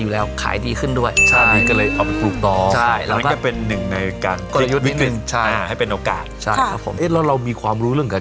แล้วเรามีความรู้เรื่องการ